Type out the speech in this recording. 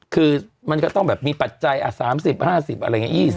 คือมันก็ต้องแบบมีปัจจัย๓๐๕๐อะไรอย่างนี้